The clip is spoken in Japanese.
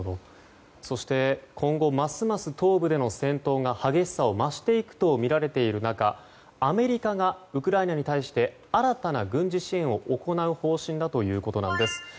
そして、今後ますます東部での戦闘が激しさを増していくとみられている中アメリカがウクライナに対して新たな軍事支援を行う方針だということなんです。